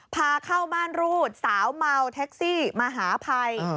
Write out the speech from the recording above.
พาเข้าม่านรูดสาวเมาแท็กซี่มหาภัย